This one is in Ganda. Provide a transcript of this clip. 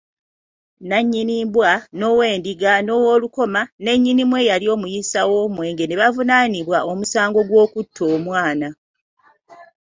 Nannyini mbwa, n'ow'endiga n'ow'olukoma ne nnyinimu eyali omuyiisa w'omwenge ne bavunaanibwa omusango gw'okutta omwana.